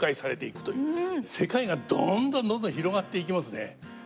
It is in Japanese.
世界がどんどんどんどん広がっていきますね。